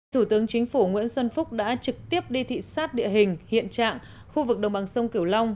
thủ tướng chính phủ nguyễn xuân phúc đã trực tiếp đi thị xát địa hình hiện trạng khu vực đồng bằng sông kiểu long